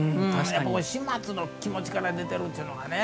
始末の気持ちから出てるっていうのがね。